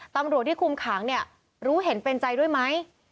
ตำรวจที่คุมขังเนี่ยรู้เห็นเป็นใจด้วยไหม